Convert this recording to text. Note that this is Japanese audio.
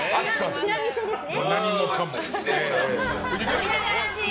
ちら見せですね。